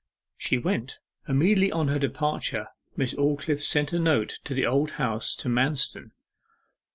She went. Immediately on her departure Miss Aldclyffe sent a note to the Old House, to Manston.